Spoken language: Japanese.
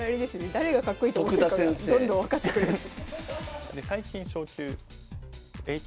誰がかっこいいと思ってるかがどんどん分かってくるやつ。